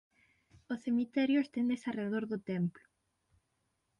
O cemiterio esténdese arredor do templo.